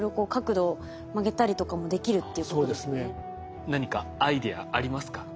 何かアイデアありますか？